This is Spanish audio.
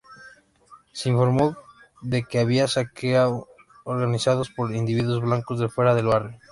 Se informó de que había saqueos organizados por individuos blancos de fuera del barrio.